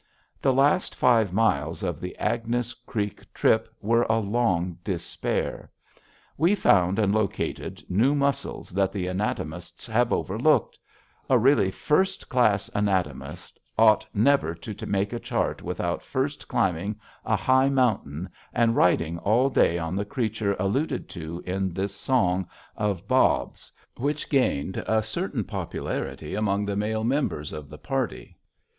The last five miles of the Agnes Creek trip were a long despair. We found and located new muscles that the anatomists have overlooked. A really first class anatomist ought never to make a chart without first climbing a high mountain and riding all day on the creature alluded to in this song of Bob's, which gained a certain popularity among the male members of the party.